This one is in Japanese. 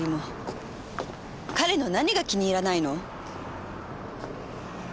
彼の何が気に入らないの！？